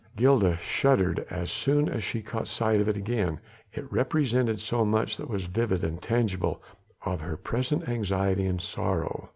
Gilda shuddered as soon as she caught sight of it again; it represented so much that was vivid and tangible of her present anxiety and sorrow.